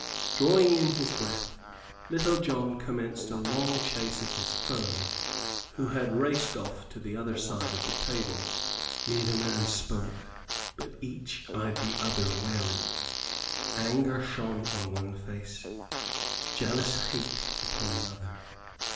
Drawing in his breath, Little John commenced a long chase of his foe, who had raced off to the other side of the table. Neither man spoke, but each eyed the other warily. Anger shone on one face, jealous hate upon the other.